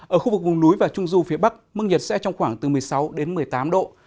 ở khu vực vùng núi và trung du phía bắc mức nhiệt sẽ trong khoảng từ một mươi sáu đến một mươi tám độ